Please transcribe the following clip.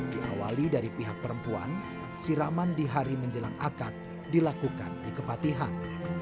diawali dari pihak perempuan siraman di hari menjelang akad dilakukan di kepatihan